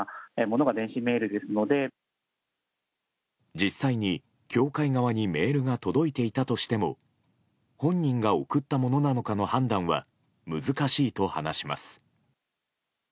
実際に協会側にメールが届いていたとしても本人が送ったものなのかの判断は難しいと話します。